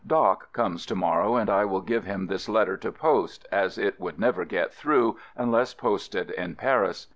"Doc" comes to morrow and I will give him this letter to post, as it would never get through unless posted in Paris.